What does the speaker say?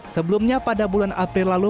sebelumnya pada bulan april lalu